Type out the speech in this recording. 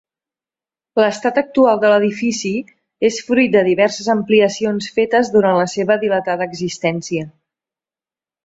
L'estat actual de l'edifici és fruit de diverses ampliacions fetes durant la seva dilatada existència.